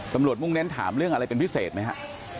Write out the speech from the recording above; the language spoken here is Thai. ตำรวจมุกแน่นเรื่องอะไรเป็นพิเศษไหมค่ะ